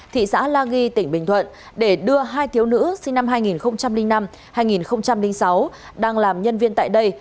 thị xã la ghi tỉnh bình thuận để đưa hai thiếu nữ sinh năm hai nghìn năm hai nghìn sáu đang làm nhân viên tại đây